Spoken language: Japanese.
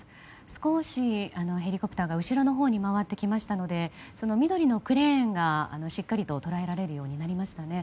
少しヘリコプターが後ろのほうに回ってきましたので緑のクレーンをしっかりと捉えられるようになりました。